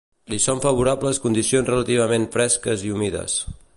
Li són favorables condicions relativament fresques i humides.